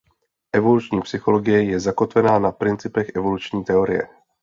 Evoluční psychologie je zakotvena na principech evoluční teorie.